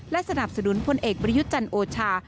และสนับสนุนพลเอกประยุทธ์จันโอชา